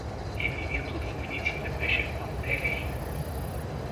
Единият от войниците беше Пантелей.